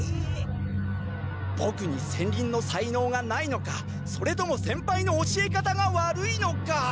ボクに戦輪の才能がないのかそれとも先輩の教え方が悪いのか。